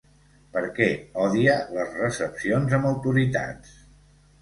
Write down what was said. Perquè odia les recepcions amb autoritats.